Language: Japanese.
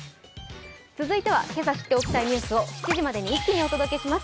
続いては今朝知っておきたいニュースを７時までに一気にお届けします。